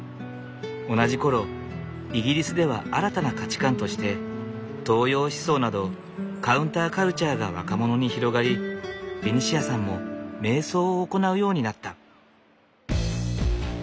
同じ頃イギリスでは新たな価値観として東洋思想などカウンターカルチャーが若者に広がりベニシアさんも瞑想を行うようになった。